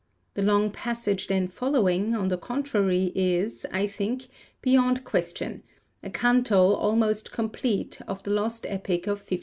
The long passage then following, on the contrary, is, I think, beyond question, a canto, almost complete, of the lost epic of 1589.